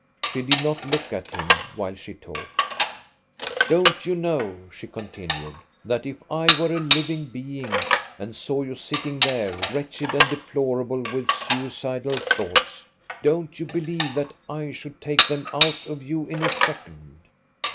She did not look at him, while she talked. " Don't you know," she continued, " that if I were a living being, and saw you sitting there, wretched and deplorable with suicidal thoughts, don't you believe that I should take them out of you in a second